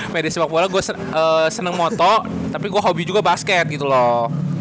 media sepak bola gua seneng moto tapi gua hobi juga basket gitu loh